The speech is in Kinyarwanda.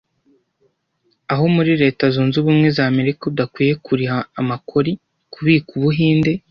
Aho muri Reta zunzubumwe zamerika udakwiye kuriha amakori Kubika Ubuhinde